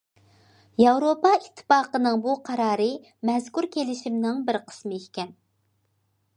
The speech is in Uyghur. ياۋروپا ئىتتىپاقىنىڭ بۇ قارارى مەزكۇر كېلىشىمنىڭ بىر قىسمىكەن.